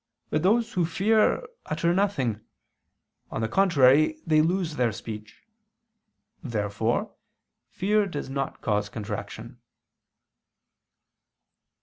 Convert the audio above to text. But those who fear utter nothing: on the contrary they lose their speech. Therefore fear does not cause contraction.